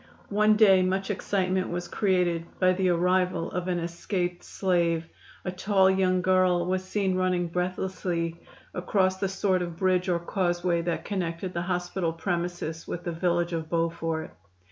One day much excitement was created by the arrival of an escaped slave. A tall young girl was seen running breathlessly across the sort of bridge or causeway that connected the hospital premises with the village of Beaufort.